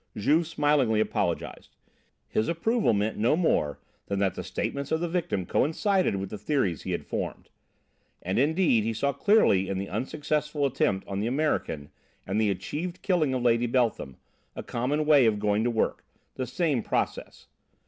Juve smilingly apologised. His approval meant no more than that the statements of the victim coincided with the theories he had formed. And indeed he saw clearly in the unsuccessful attempt on the American and the achieved killing of Lady Beltham a common way of going to work, the same process.